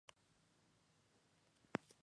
Hoy en día se comen durante todo el año.